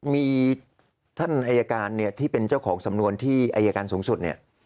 มีท่านอายการเนี่ยที่เป็นเจ้าของสำนวนที่อายการสูงสุดเนี่ย